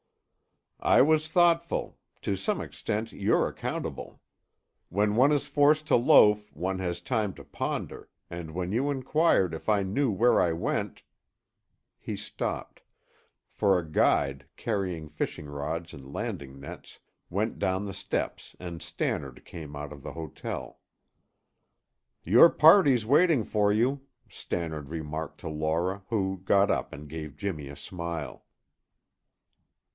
"I was thoughtful. To some extent you're accountable. When one is forced to loaf one has time to ponder, and when you inquired if I knew where I went " He stopped, for a guide, carrying fishing rods and landing nets, went down the steps and Stannard came out of the hotel. "Your party's waiting for you," Stannard remarked to Laura, who got up and gave Jimmy a smile.